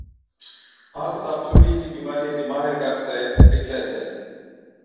ها ڪِتاب چمڙِي چي بِيمارِيان چي ماهر ڊاڪٽرَي لِکلِي ڇَي۔